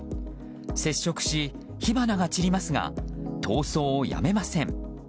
接触し火花が散りますが逃走をやめません。